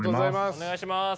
お願いします！